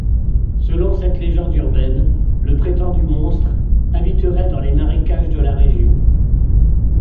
Selon cette légende urbaine, le prétendu monstre habiterait dans les marécages de la région.